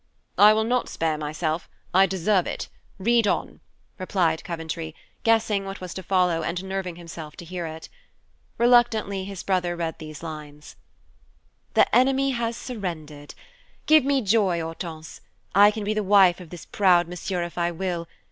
"I will not spare myself; I deserve it. Read on," replied Coventry, guessing what was to follow and nerving himself to hear it. Reluctantly his brother read these lines: "The enemy has surrendered! Give me joy, Hortense; I can be the wife of this proud monsieur, if I will.